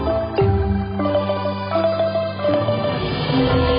สวัสดีครับ